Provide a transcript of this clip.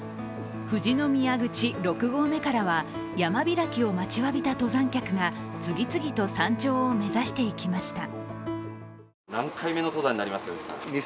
富士宮口六合目からは山開きを待ちわびた登山客が次々と山頂を目指していきました。